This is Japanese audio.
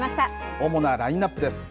主なラインナップです。